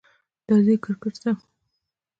درځی کرکټ ته